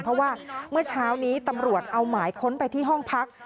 เพราะว่าเมื่อเช้านี้ตำรวจเอาหมายค้นไปที่ห้องพัก